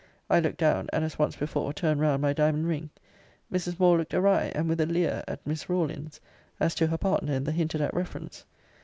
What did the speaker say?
I looked down, and, as once before, turned round my diamond ring. Mrs. Moore looked awry, and with a leer at Miss Rawlins, as to her partner in the hinted at reference.